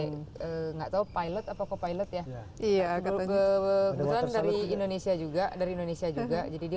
enggak tahu pilot apa co pilot ya iya kebetulan dari indonesia juga dari indonesia juga jadi dia